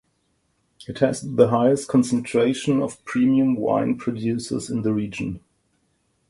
It has the highest concentration of premium wine producers in the region.